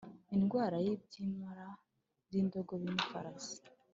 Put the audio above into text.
Indwara y ibyimira by indogobe n ifarasi